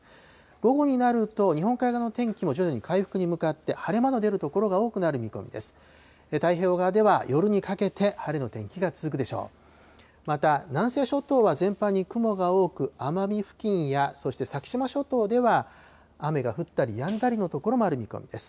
午後になると、日本海側の天気も徐々に回復に向かって晴れ間の出る所が多くなる見込みです。